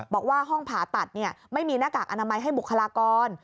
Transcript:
บอกว่าห้องผ่าตัดไม่มีหน้ากากอนามัยให้บุคลากร